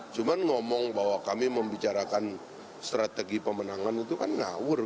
cuma ngomong bahwa kami membicarakan strategi pemenangan itu kan ngawur